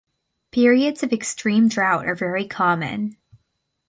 Periods of extreme drought are very common.